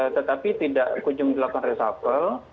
tetapi tidak kunjung dilakukan reshuffle